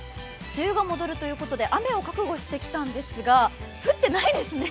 梅雨が戻るということで雨を覚悟してきたんですが降ってないですね。